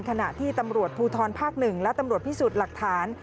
ขณะที่ตำรวจภูทรภาค๑และตำรวจพิสูจน์หลักฐาน